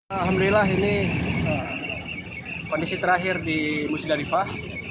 alhamdulillah ini kondisi terakhir di musdalifah